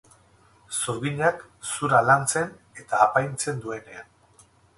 Zurginak zura lantzen eta apaintzen duenean.